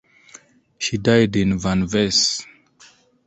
She died in Vanves.